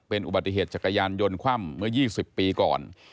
เป็นอุบัติเหตุจักรยานยนต์คว่ำเมื่อ๒๐ปีก่อน